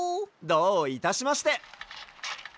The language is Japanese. どういたしまして。